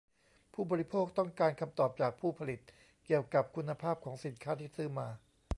ผู้บริโภคต้องการคำตอบจากผู้ผลิตเกี่ยวกับคุณภาพของสินค้าที่ซื้อมา